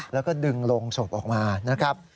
แล้วก็ดึงลงศพออกมานะครับ